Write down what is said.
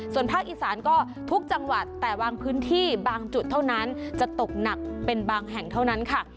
ส่วนภาคอีสานก็ทุกจังหวัดแต่บางพื้นที่บางจุดเท่านั้นจะตกหนักเป็นบางแห่งเท่านั้นค่ะ